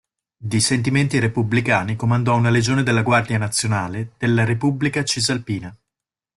Di sentimenti repubblicani, comandò una legione della "Guardia nazionale" della Repubblica Cisalpina.